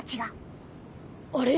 あれ？